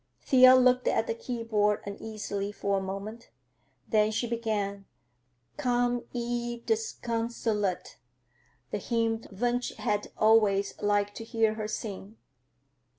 Thea looked at the keyboard uneasily for a moment, then she began "Come, ye Disconsolate," the hymn Wunsch had always liked to hear her sing.